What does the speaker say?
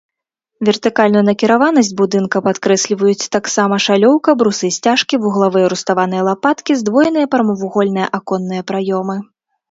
Вертыкальную накіраванасць будынка падкрэсліваюць таксама шалёўка, брусы-сцяжкі, вуглавыя руставаныя лапаткі, здвоеныя прамавугольныя аконныя праёмы.